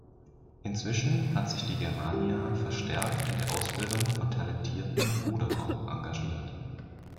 Inzwischen hat sich die Germania verstärkt in der Ausbildung von talentierten Ruderer engagiert.